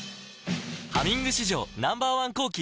「ハミング」史上Ｎｏ．１抗菌